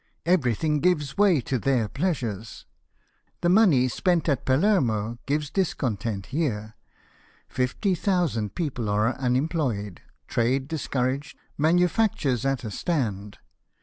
Everything gives way to their pleasures. The money spent at Palermo gives discontent here ; iifty thou sand people are unemployed, trade discouraged, manufactures at a stand.